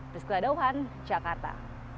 prisqa dauhan jakarta